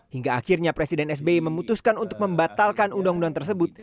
hingga akhirnya presiden sbi memutuskan untuk membatalkan undang undang tersebut